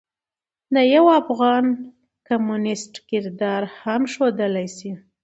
د يوافغان کميونسټ کردار هم ښودلے شي.